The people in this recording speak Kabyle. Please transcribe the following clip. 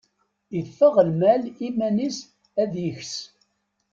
Iffeɣ lmal iman-is ad ikes.